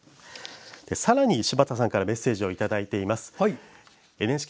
さらに、柴田さんからメッセージをいただいています。